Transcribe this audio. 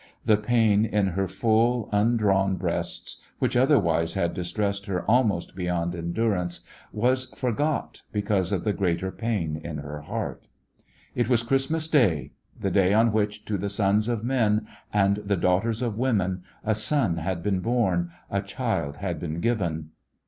The pain in her full, undrawn breasts, which otherwise had distressed her almost beyond endur ance, was forgot because of the greater pain in her heart. The West Was Young It was Christmas Day, the day on which to the Sons of Men and the Daughters of Women a Son had been bom, a Child had been given.